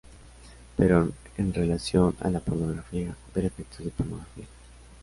Pero, en relación a la pornografía, ver Efectos de pornografía.